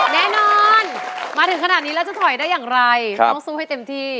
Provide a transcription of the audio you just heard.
แน่นอนมาถึงขนาดนี้แล้วจะถอยได้อย่างไรต้องสู้ให้เต็มที่